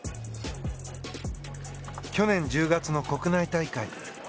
去年１０月の国内大会。